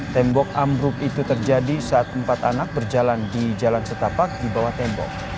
tembok ambruk itu terjadi saat empat anak berjalan di jalan setapak di bawah tembok